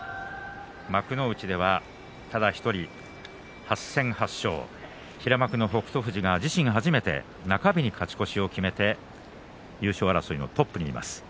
幕内ではただ１人８戦８勝、平幕の北勝富士が自身初めて中日に勝ち越しを決めて優勝争いのトップにいます。